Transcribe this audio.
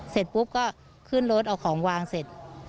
เสร็จปุ๊บก็ขึ้นรถเอาของวางเสร็จ